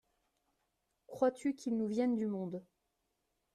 Crois-tu qu’il nous vienne du monde ?…